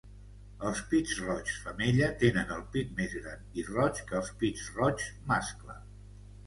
Els pit-roigs femella tenen el pit més gran i roig que els pit-roigs mascle